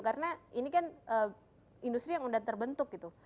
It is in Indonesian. karena ini kan industri yang udah terbentuk gitu